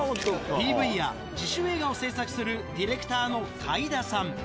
ＰＶや自主映画を制作するディレクターの貝田さん。